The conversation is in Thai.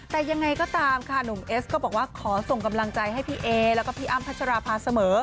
แต่ยังไงก็ตามค่ะหนุ่มเอสก็บอกว่าขอส่งกำลังใจให้พี่เอแล้วก็พี่อ้ำพัชราภาเสมอ